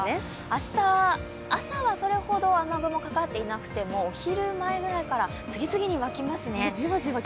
明日、朝はそれほど雨雲かかっていなくてもお昼前ぐらいから次々に湧きますね。